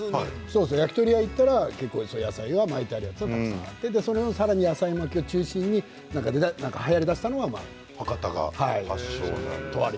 焼き鳥屋に行ったら結構野菜が巻いてあるやつがたくさんあってそれをさらに野菜巻きを中心にはやりだしたのが博多が。